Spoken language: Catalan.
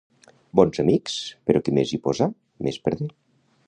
Bons amics, però qui més hi posà, més perdé.